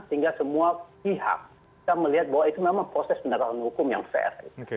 sehingga semua pihak bisa melihat bahwa itu memang proses penegakan hukum yang fair